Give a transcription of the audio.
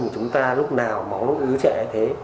chúng ta lúc nào máu ứ trẻ thế